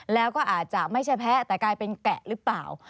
แล้วก็อาจจะไม่ใช่แพ้แต่กลายเป็นแกะหรือเปล่า